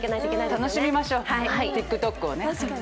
楽しみましょう、ＴｉｋＴｏｋをね。